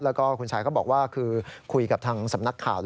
แล้วก็คุณชายก็บอกว่าคือคุยกับทางสำนักข่าว